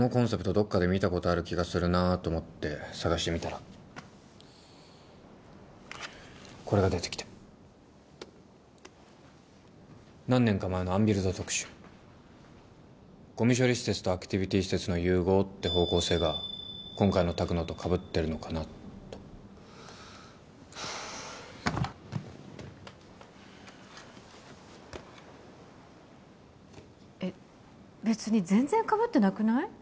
どっかで見たことある気がするなと思って探してみたらこれが出てきて何年か前のアンビルド特集ゴミ処理施設とアクティビティ施設の融合って方向性が今回の拓のとかぶってるのかなとえっ別に全然かぶってなくない？